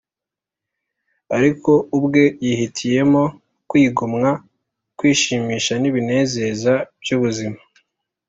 Ariko ubwe yihitiyemo kwigomwa kwishimisha n’ibinezeza by’ubuzima